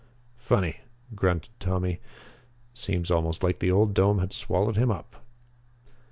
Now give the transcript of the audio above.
"Funny," grunted Tommy. "Seems almost like the old dome had swallowed him up."